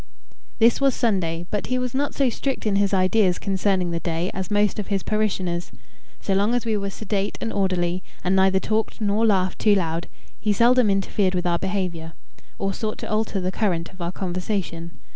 This was Sunday; but he was not so strict in his ideas concerning the day as most of his parishioners. So long as we were sedate and orderly, and neither talked nor laughed too loud, he seldom interfered with our behaviour, or sought to alter the current of our conversation.